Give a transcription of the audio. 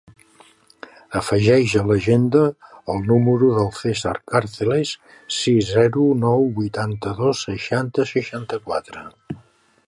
Afegeix a l'agenda el número del Cèsar Carceles: sis, zero, nou, vuitanta-dos, seixanta, seixanta-quatre.